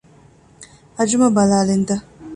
އަޖުމަ ބަލާލިންތަ؟